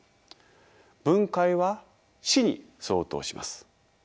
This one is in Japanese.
「分解」は「死」に相当します。